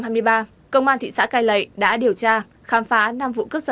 trong năm hai nghìn hai mươi ba công an thị xã cai lệ đã điều tra khám phá năm vụ cướp xe